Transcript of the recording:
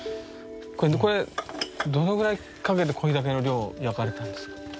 これどのぐらいかけてこれだけの量焼かれたんですか？